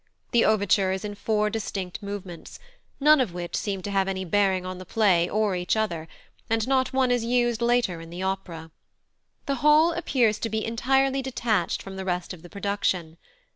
The overture is in four distinct movements, none of which seem to have any bearing on the play or each other; and not one is used later in the opera. The whole appears to be entirely detached from the rest of the production.